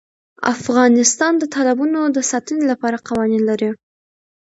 افغانستان د تالابونو د ساتنې لپاره قوانین لري.